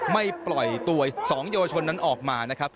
ไม่ปล่อยตัว๒ยาวชนนั้นออกมา